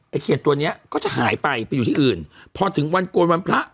เขียนตัวเนี้ยก็จะหายไปไปอยู่ที่อื่นพอถึงวันโกนวันพระ